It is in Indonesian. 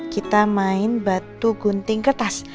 kita main batu gunting kertas